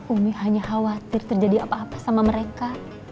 umi hanya khawatir terjadi apa apa sama mereka